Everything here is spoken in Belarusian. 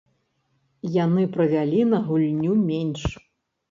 Яны правялі на гульню менш.